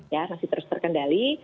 ya masih terus terkendali